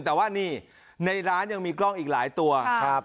แต่ว่านี่ในร้านยังมีกล้องอีกหลายตัวครับ